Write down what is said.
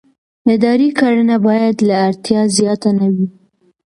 اداري کړنه باید له اړتیا زیاته نه وي.